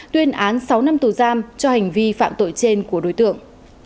tuyên án sáu năm tù giam cho hành vi phạm tội trên của đối tượng